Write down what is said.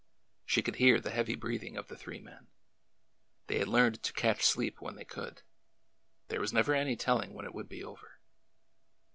She could hear the heavy breathing of the three men. They had learned to catch sleep when they could. There was never any telling when it would be over.